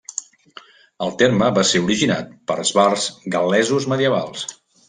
El terme va ser originat pels bards gal·lesos medievals.